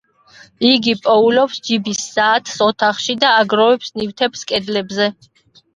იგი პოულობს ჯიბის საათს ოთახში და აგროვებს ნივთებს კედლებზე.